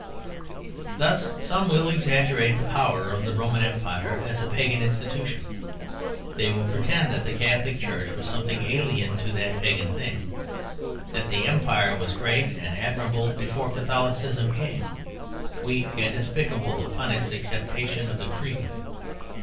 Thus, some will exaggerate the power of the Roman Empire as a pagan institution; they will pretend that the Catholic Church was something alien to that pagan thing; that the Empire was great and admirable before Catholicism came, weak and despicable upon its acceptation of the Creed.